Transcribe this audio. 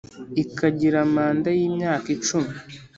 ikagira manda yimyaka icumi